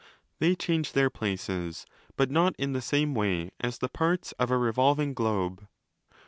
They change their places, but not in the same way as the parts of a revolving globe.